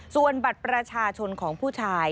ส่วนบัตรประชาชนของผู้ชาย